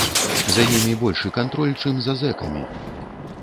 За імі большы кантроль, чым за зэкамі.